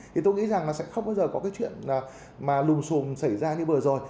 thì tôi nghĩ rằng là sẽ không bao giờ có cái chuyện là lùm xùm xảy ra như vừa rồi